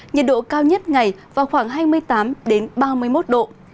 nhiệt độ cao nhất ngày vào khoảng hai mươi tám ba mươi một độ